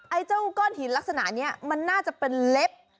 ไอ้เจ้าก้อนหินลักษณะนี้มันน่าจะเป็นเล็บ